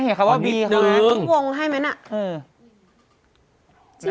ไม่เห็นเขาว่าบีครับอ๋อนิดหนึ่งนิดหนึ่งนิดวงให้ไหมน่ะอืม